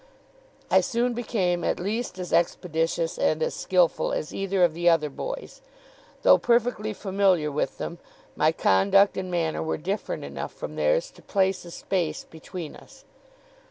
I soon became at least as expeditious and as skilful as either of the other boys. Though perfectly familiar with them, my conduct and manner were different enough from theirs to place a space between us.